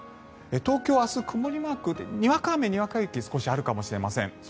東京、明日曇りマークにわか雨、にわか雪が少しあるかもしれません。